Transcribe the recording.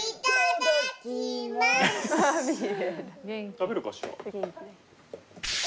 食べるかしら？